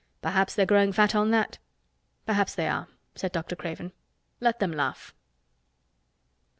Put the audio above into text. Perhaps they're growing fat on that." "Perhaps they are," said Dr. Craven. "Let them laugh."